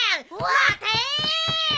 待て！